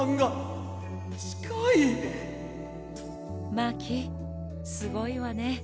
マーキーすごいわね。